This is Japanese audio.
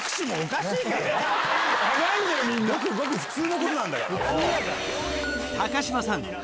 ごくごく普通のことなんだから。